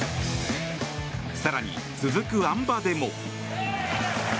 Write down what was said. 更に、続くあん馬でも。